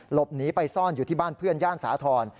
หลบหนีไปซ่อนอยู่ที่บ้านเพื่อนย่านสาธรณ์